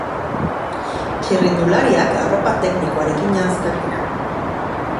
Txirrindulariak arropa teknikoarekin janzten dira.